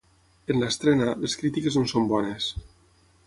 En l'estrena, les crítiques no són bones.